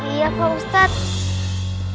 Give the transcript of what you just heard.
iya pak ustadz